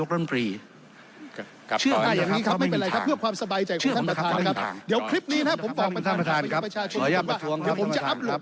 ครับคุณวิรอคนครับ